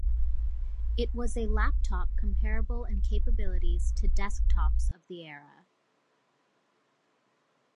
It was a laptop comparable in capabilities to desktops of the era.